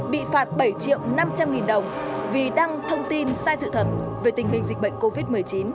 bị phạt bảy triệu năm trăm linh nghìn đồng vì đăng thông tin sai sự thật về tình hình dịch bệnh covid một mươi chín